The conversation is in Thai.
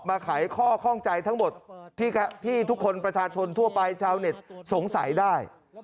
ไขข้อข้องใจทั้งหมดที่ทุกคนประชาชนทั่วไปชาวเน็ตสงสัยได้